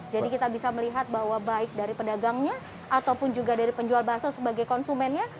jadi kita bisa melihat bahwa baik dari pedagangnya ataupun juga dari penjual bakso sebagai konsumennya